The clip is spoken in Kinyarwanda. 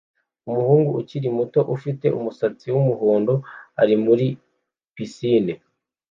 Umuhungu ukiri muto ufite umusatsi wumuhondo ari muri pisine